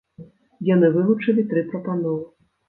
Яны вылучылі тры прапановы.